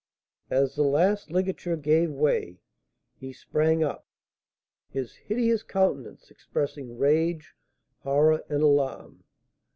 As the last ligature gave way, he sprang up, his hideous countenance expressing rage, horror, and alarm.